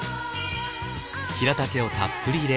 ヒラタケをたっぷり入れ